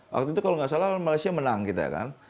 waktu itu kalau tidak salah malaysia menang kita